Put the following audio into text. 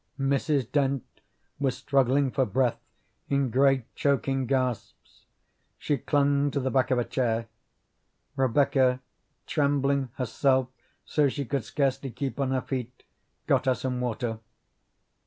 Mrs. Dent was struggling for breath in great, choking gasps. She clung to the back of a chair. Rebecca, trembling herself so she could scarcely keep on her feet, got her some water.